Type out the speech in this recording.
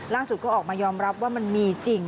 ก็ออกมายอมรับว่ามันมีจริง